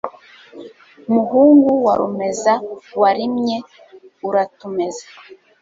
Muhungu wa Rumeza, Warimye uratumeza